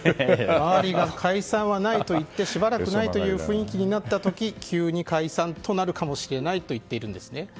周りが解散はないと言ってしばらくないという雰囲気になった時急に解散となるかもしれないと言っているんです。